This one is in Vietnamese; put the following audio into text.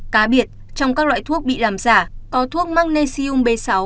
cá biệt trong các loại thuốc bị làm giả có thuốc magnesium b sáu